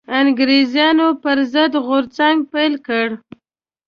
انګرېزانو پر ضد غورځنګ پيل کړ